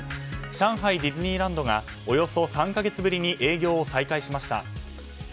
上海ディズニーランドがおよそ３か月ぶりに営業を再開しました。